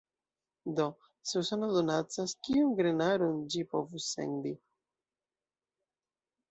Do, se Usono donacas, kiun grenaron ĝi povus sendi?